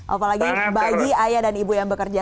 apalagi bagi ayah dan ibu yang bekerja